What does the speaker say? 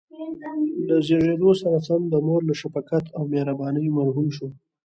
له زېږېدو سره سم د مور له شفقت او مهربانۍ محروم شو.